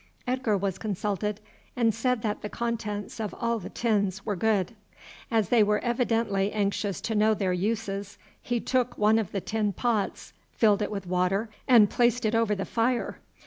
Edgar was consulted, and said that the contents of all the tins were good. As they were evidently anxious to know their uses, he took one of the tin pots, filled it with water, and placed it over the fire.